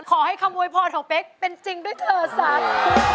ขอให้คำโวยพรของเป๊กเป็นจริงด้วยเธอซะ